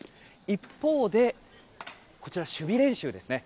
一方でこちら守備練習ですね。